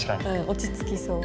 落ち着きそう。